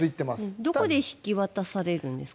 どこで引き渡されるんですか？